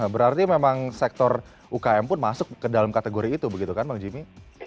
berarti memang sektor ukm pun masuk ke dalam kategori itu begitu kan bang jimmy